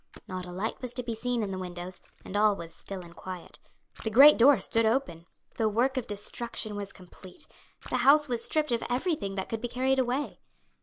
Not a light was to be seen in the windows and all was still and quiet. The great door stood open. The work of destruction was complete; the house was stripped of everything that could be carried away.